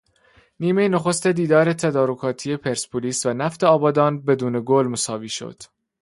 نیمه نخست دیدار تدارکاتی پرسپولیس و نفت آبادان بدون گل مساوی شد